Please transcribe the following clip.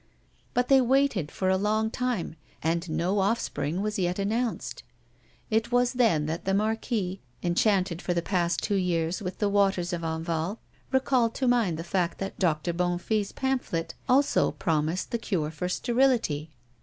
But they waited for a long time and no offspring was yet announced. It was then that the Marquis, enchanted for the past two years with the waters of Enval, recalled to mind the fact that Doctor Bonnefille's pamphlet also promised the cure for sterility.